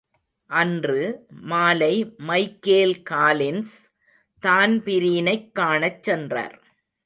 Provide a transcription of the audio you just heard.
அன்று, மாலை Michael Collins தான்பிரீனைக் காணச் சென்றார்.